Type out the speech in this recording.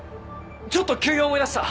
ちょっと急用思い出した。